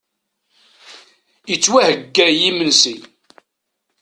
Ittwaheyya yimensi.